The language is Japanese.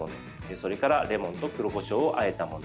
それから、レモンと黒こしょうをあえたもの。